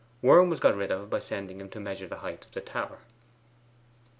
Worm was got rid of by sending him to measure the height of the tower.